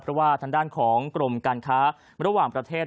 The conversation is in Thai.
เพราะว่าทางด้านของกรมการค้าระหว่างประเทศ